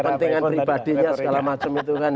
kepentingan pribadinya segala macam itu kan